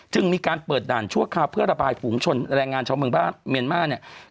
มีการเปิดด่านชั่วคราวเพื่อระบายฝูงชนแรงงานชาวเมืองบ้านเมียนมาร์เนี่ย